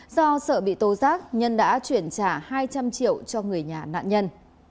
do sợ bị tố giác nhân đã chuyển trả hai trăm linh triệu cho người nhà nạn nhân